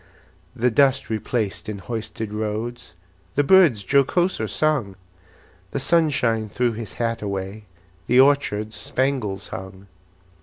The dust replaced in hoisted roads, The birds jocoser sung; The sunshine threw his hat away, The orchards spangles hung.